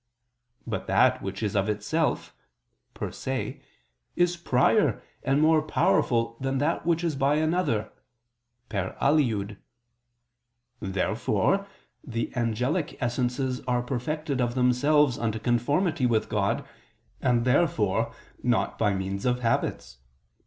But that which is of itself (per se) is prior to and more powerful than that which is by another (per aliud). Therefore the angelic essences are perfected of themselves unto conformity with God, and therefore not by means of habits.